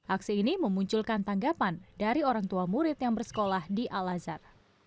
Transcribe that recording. aksi ini memunculkan tanggapan dari orang tua murid yang bersekolah di al azhar